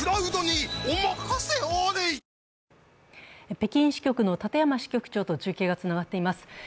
北京支局の立山支局長と中継がつながっています。